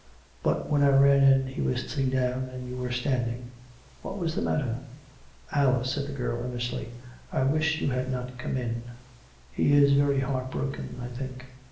But when I ran in he was sitting down, and you were standing. Wliat was the matter ?"" Alice," said the girl earnestly, " I wish you had not come in. He is very heart broken, I think.